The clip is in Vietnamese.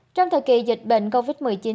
trong thời kỳ dịch bệnh covid một mươi chín